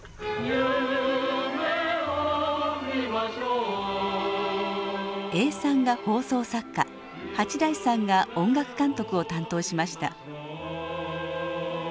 「夢をみましょう」永さんが放送作家八大さんが音楽監督を担当しました。